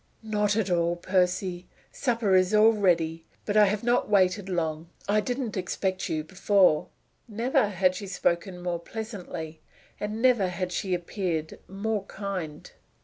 "Not at all, Percy. Supper is all ready: but I have not waited long. I didn't expect you before." Never had she spoken more pleasantly, and never had she appeared more kind.